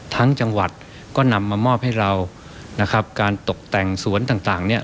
จังหวัดก็นำมามอบให้เรานะครับการตกแต่งสวนต่างต่างเนี่ย